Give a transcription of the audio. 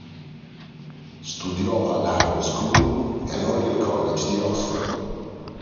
Studiò all'Harrow School e all'Oriel College di Oxford.